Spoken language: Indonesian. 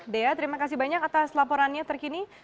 dea terima kasih banyak atas laporannya terkini